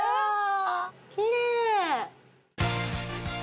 きれい。